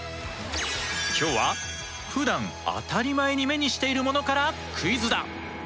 今日はふだん当たり前に目にしているものからクイズだ。